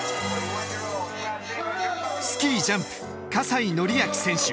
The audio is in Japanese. スキージャンプ西紀明選手。